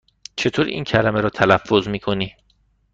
چطور این کلمه را تلفظ می کنی؟